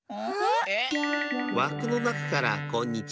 わくのなかからこんにちは。